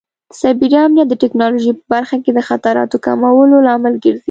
د سایبر امنیت د ټکنالوژۍ په برخه کې د خطراتو کمولو لامل ګرځي.